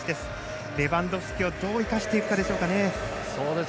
レバンドフスキをどう生かしていくかですね。